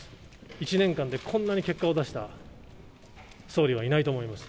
１年間でこんなに結果を出した総理はいないと思います。